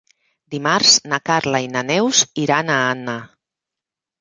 Dimarts na Carla i na Neus iran a Anna.